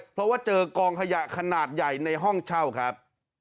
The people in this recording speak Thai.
เพราะว่าเจอกองขยะขนาดใหญ่ในห้องเช่าครับ